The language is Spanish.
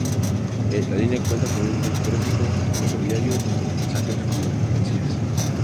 La línea cuenta con un intenso tráfico ferroviario tanto de pasajeros como de mercancías.